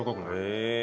へえ。